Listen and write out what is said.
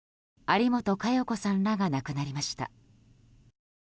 有本嘉代子さんらが亡くなりました。